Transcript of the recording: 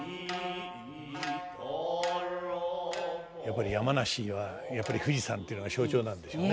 やっぱり山梨には富士山というのが象徴なんでしょうね。